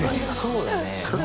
そうだね。